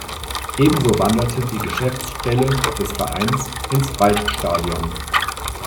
Ebenso wanderte die Geschäftsstelle des Vereins ins Waldstadion.